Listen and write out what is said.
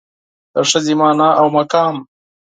د ښځې مانا او مقام